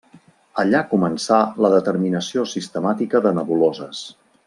Allà començà la determinació sistemàtica de nebuloses.